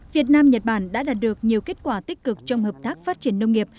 việt nam nhật bản đã đạt được nhiều kết quả tích cực trong hợp tác phát triển nông nghiệp